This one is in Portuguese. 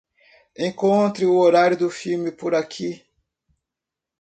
Encontre o horário do filme por aqui.